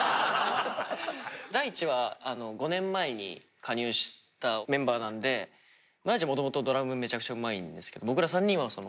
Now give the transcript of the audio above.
大智は５年前に加入したメンバーなんで大智はもともとドラムめちゃくちゃうまいんですけど僕ら３人はその。